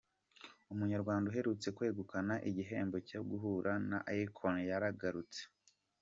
Umunyarwanda uherutse kwegukana igihembo cyo guhura na Akon yaragarutse